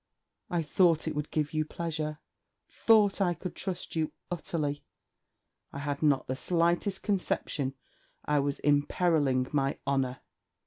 I thought it would give you pleasure; thought I could trust you utterly. I had not the slightest conception I was imperilling my honour...!'